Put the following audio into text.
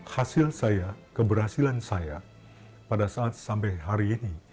hasil saya keberhasilan saya pada saat sampai hari ini